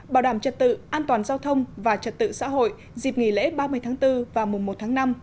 bảo đảm trật tự an toàn giao thông và trật tự xã hội dịp nghỉ lễ ba mươi tháng bốn và mùa một tháng năm